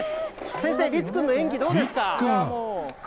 先生、律君の演技、どうですか？